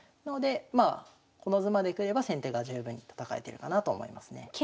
なのでまあこの図までくれば先手が十分に戦えてるかなと思いますね。